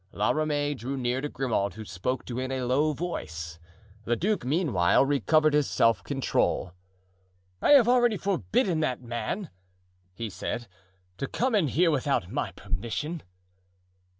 La Ramee drew near to Grimaud, who spoke to him in a low voice. The duke meanwhile recovered his self control. "I have already forbidden that man," he said, "to come in here without my permission."